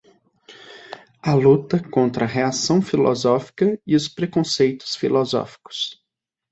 a luta contra a reacção filosófica e os preconceitos filosóficos